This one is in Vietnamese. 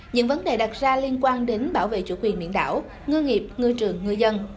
những vấn đề đặt ra liên quan đến bảo vệ chủ quyền biển đảo ngư nghiệp ngư trường ngư dân